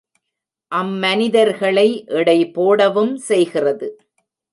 அம்மனிதர்ளை எடை போடவும் செய்கிறது.